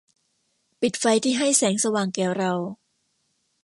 ปิดไฟที่ให้แสงสว่างแก่เรา